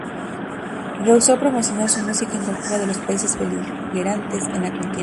Rehusó promocionar su música en cualquiera de los países beligerantes en la contienda.